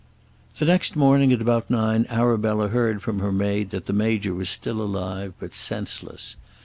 The next morning at about nine Arabella heard from her maid that the Major was still alive but senseless.